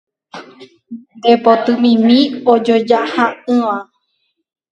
Nde potymimi ijojaha'ỹva